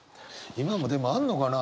今もでもあるのかな。